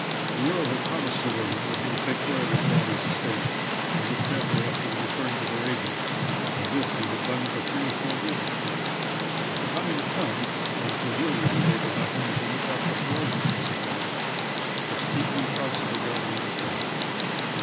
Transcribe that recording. The earl had promised Sir William that he would take care of his daughter's estate and look carefully after the returns of her agent, and this he had done for three or four years; but the time had come when Cordelia was able not only to look after her own business affairs, but to keep the accounts of her guardian as well.